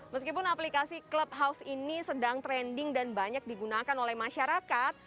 meskipun aplikasi clubhouse ini sedang trending dan banyak digunakan oleh masyarakat